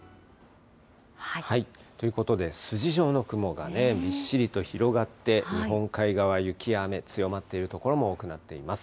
ということで、筋状の雲がびっしりと広がって、日本海側、雪や雨、強まっている所も多くなっています。